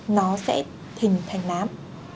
nó sẽ thình thành nám